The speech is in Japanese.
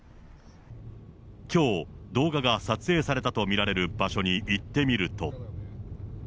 きょう、動画が撮影されたと見られる場所に行ってみると。